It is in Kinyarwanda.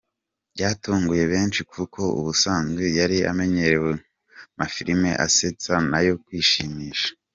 Byatunguye benshi kuko ubusanzwe yari amenyerewe ku mafilimi asetsa n’ayo kwishimisha.